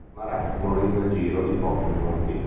Marat morì nel giro di pochi minuti.